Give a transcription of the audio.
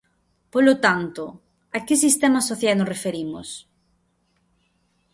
Polo tanto, ¿a que sistemas sociais nos referimos?